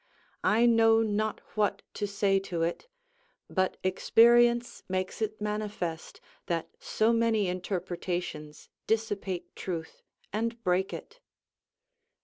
I know not what to say to it; but experience makes it manifest, that so many interpretations dissipate truth and break it.